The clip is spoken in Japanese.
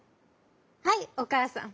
「はいおかあさん。